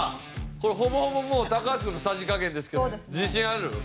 これほぼほぼもう高橋くんのさじ加減ですけど。